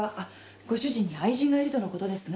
ご主人に愛人がいるとのことですが。